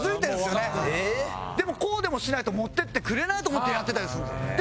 でもこうでもしないと持っていってくれないと思ってやってたりするんですよ。